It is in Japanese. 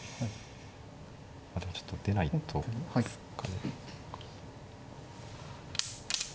でもちょっと出ないとですかね。